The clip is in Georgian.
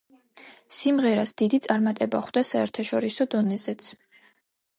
სიმღერას დიდი წარმატება ხვდა საერთაშორისო დონეზეც.